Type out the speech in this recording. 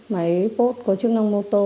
máy post có chức năng mô tô